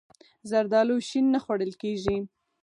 زردالو شین نه خوړل کېږي.